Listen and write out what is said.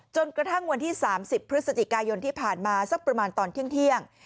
จนกระทั่งวันที่สามสิบพฤษจิกายนที่ผ่านมาสักประมาณตอนเที่ยงเที่ยง